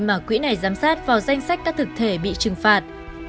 mà quỹ này giám sát vào danh sách các thực thể bị trừng phạt